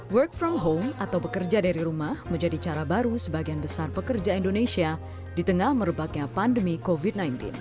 work from home atau bekerja dari rumah menjadi cara baru sebagian besar pekerja indonesia di tengah merebaknya pandemi covid sembilan belas